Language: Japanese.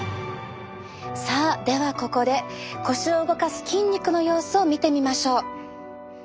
さあではここで腰を動かす筋肉の様子を見てみましょう。